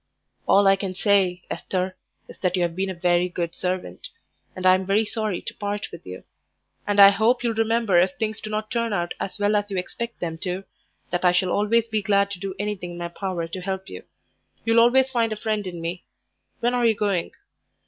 "All I can say, Esther, is that you have been a very good servant, and I'm very sorry to part with you. And I hope you'll remember if things do not turn out as well as you expect them to, that I shall always be glad to do anything in my power to help you. You'll always find a friend in me. When are you going?"